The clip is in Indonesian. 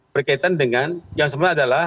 berkaitan dengan yang sebenarnya adalah